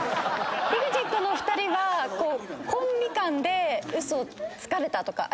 ＥＸＩＴのお二人はコンビ間でウソつかれたとかありますか？